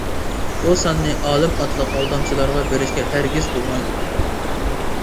بۇ ساننى ئالىم ئاتلىق ئالدامچىلارغا بېرىشكە ھەرگىز بولمايدۇ!